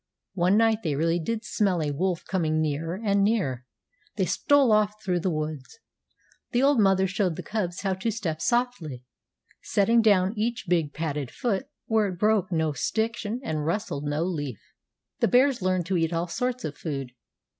One night they really did smell a wolf coming nearer and nearer. They stole off through the woods. The old mother showed the cubs how to step softly, setting down each big padded foot where it broke no stick and rustled no leaf. The bears learned to eat all sorts of food.